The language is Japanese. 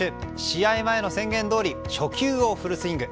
試合前の宣言どおり初球をフルスイング。